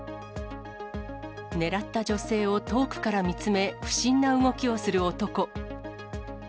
狙った女性を遠くから見つめ、不審な動きをする男。